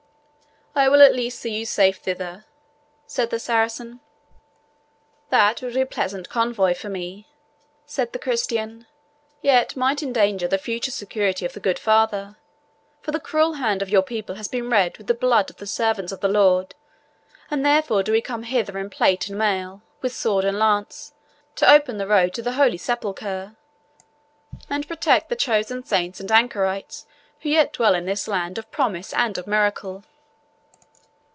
"I will at least see you safe thither," said the Saracen. "That would be pleasant convoy for me," said the Christian; "yet might endanger the future security of the good father; for the cruel hand of your people has been red with the blood of the servants of the Lord, and therefore do we come hither in plate and mail, with sword and lance, to open the road to the Holy Sepulchre, and protect the chosen saints and anchorites who yet dwell in this land of promise and of miracle."